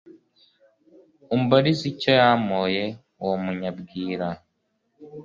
Umbarize icyo yampoye, Uwo munyabwira.